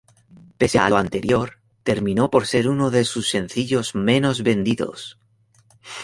Pese a lo anterior, terminó por ser uno de sus sencillos menos vendidos.